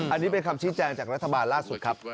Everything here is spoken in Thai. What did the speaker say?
อันนี้เป็นคำชี้แจงจากรัฐบาลล่าสุดครับ